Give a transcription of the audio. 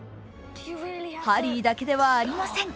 ハリーだけではありません。